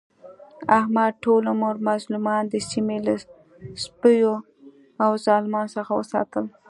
احمد ټول عمر مظلومان د سیمې له سپیو او ظالمانو څخه وساتل.